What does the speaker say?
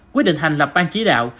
quyết định hành lập ban chỉ đạo